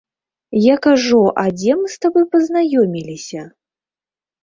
Я кажу, а дзе мы з табой пазнаёміліся?